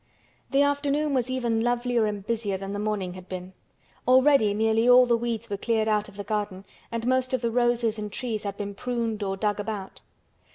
The afternoon was even lovelier and busier than the morning had been. Already nearly all the weeds were cleared out of the garden and most of the roses and trees had been pruned or dug about.